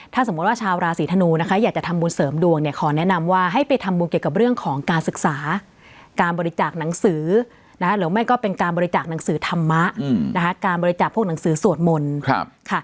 ถ้าสมมุติว่าชาวราศีธนูนะคะอยากจะทำบุญเสริมดวงเนี่ยขอแนะนำว่าให้ไปทำบุญเกี่ยวกับเรื่องของการศึกษาการบริจาคหนังสือหรือไม่ก็เป็นการบริจาคหนังสือธรรมะนะคะการบริจาคพวกหนังสือสวดมนต์ค่ะ